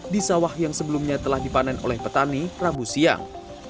di sawah yang sebelumnya telah dipanen oleh petani rabu siang